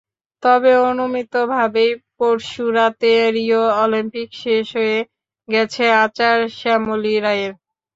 তবে অনুমিতভাবেই পরশু রাতে রিও অলিম্পিক শেষ হয়ে গেছে আর্চার শ্যামলী রায়ের।